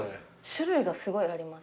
種類がすごいあります。